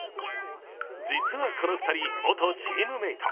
実はこの２人、元チームメイト。